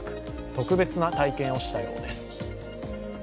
特別な体験をしたようです。